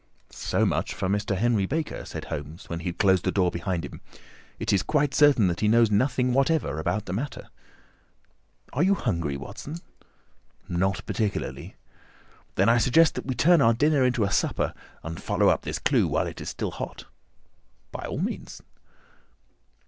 "So much for Mr. Henry Baker," said Holmes when he had closed the door behind him. "It is quite certain that he knows nothing whatever about the matter. Are you hungry, Watson?" "Not particularly." "Then I suggest that we turn our dinner into a supper and follow up this clue while it is still hot." "By all means."